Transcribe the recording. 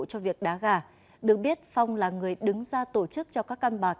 cho việc đá gà được biết phong là người đứng ra tổ chức cho các con bạc